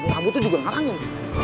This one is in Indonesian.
kamu tuh juga ngarangin